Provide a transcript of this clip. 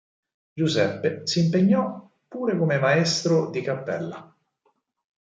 Giuseppe si impegnò pure come maestro di cappella.